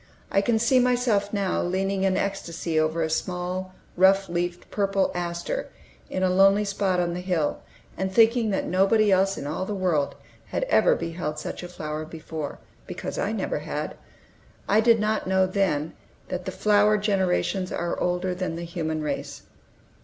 I can see myself now leaning in ecstasy over a small, rough leaved purple aster in a lonely spot on the hill, and thinking that nobody else in all the world had ever beheld such a flower before, because I never had. I did not know then, that the flower generations are older than the human race.